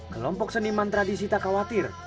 kelompok seniman tradisi tak khawatir